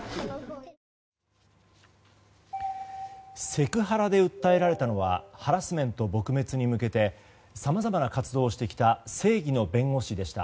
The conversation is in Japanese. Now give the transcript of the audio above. セクハラで訴えられたのはハラスメント撲滅に向けてさまざまな活動をしてきた正義の弁護士でした。